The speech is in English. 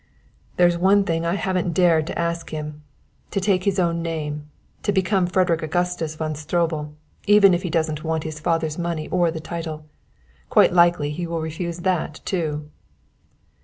"There's one thing I haven't dared to ask him: to take his own name to become Frederick Augustus von Stroebel, even if he doesn't want his father's money or the title. Quite likely he will refuse that, too."